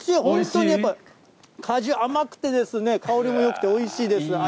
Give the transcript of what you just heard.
本当にやっぱ、果汁甘くてですね、香りもよくておいしいです。